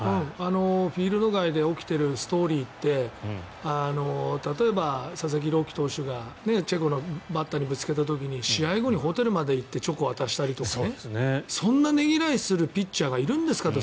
フィールド外で起きているストーリーって例えば佐々木朗希投手がチェコのバッターにぶつけた時に試合後にホテルまで行ってチョコを渡したりとかそんなねぎらいするピッチャーがいるんですかと。